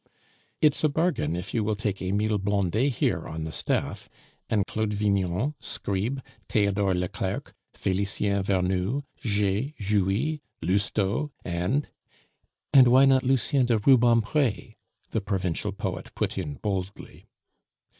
"It's a bargain, if you will take Emile Blondet here on the staff, and Claude Vignon, Scribe, Theodore Leclercq, Felicien Vernou, Jay, Jouy, Lousteau, and " "And why not Lucien de Rubempre?" the provincial poet put in boldly.